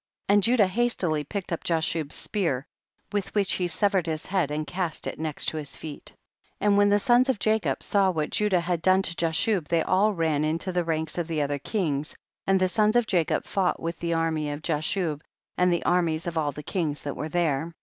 40. And Judah hastily picked up Jashub's spear, with which he sever ed his head and cast it next to his feet. 41. And when the sons of Jacob saw what Judah had done to Jashub, they all ran into the ranks of the other kings, and the sons of Jacob fought with the army of Jashub, and the ar mies of all the kings that were there, 42.